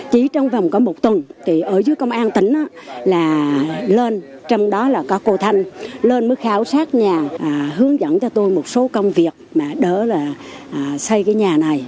chỉ trong vòng có một tuần thì ở dưới công an tỉnh là lên trong đó là có cô thanh lên mới khảo sát nhà hướng dẫn cho tôi một số công việc mà đỡ là xây cái nhà này